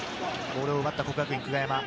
ボールを奪った國學院久我山。